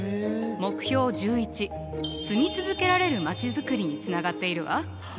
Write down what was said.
目標１１住み続けられるまちづくりにつながっているわ。